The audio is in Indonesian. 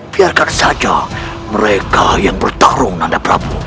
biarkan saja mereka yang bertarung nanda prabowo